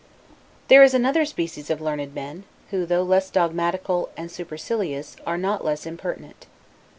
There is another species of learned men, who, though less dogmatical and supercilious, are not less impertinent.